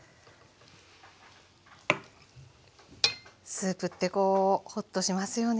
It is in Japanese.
スープってこうホッとしますよね。